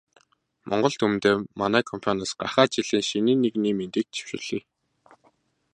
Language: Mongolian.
Монгол түмэндээ манай компаниас гахай жилийн шинийн нэгний мэндийг дэвшүүлье.